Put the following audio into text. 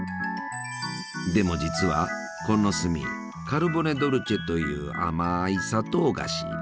でも実はこの炭カルボネ・ドルチェという甘い砂糖菓子。